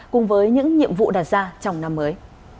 cùng với những nhiệm vụ đặt ra trong năm mới